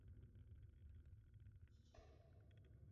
ni wewe wa kuokoa